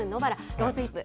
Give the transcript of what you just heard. ローズヒップ。